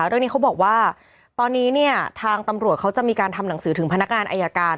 เรื่องนี้เขาบอกว่าตอนนี้เนี่ยทางตำรวจเขาจะมีการทำหนังสือถึงพนักงานอายการ